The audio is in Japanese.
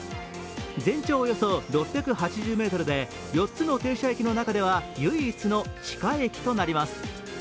全長およそ６８０ｍで、４つの停車駅の中では唯一の地下駅となります。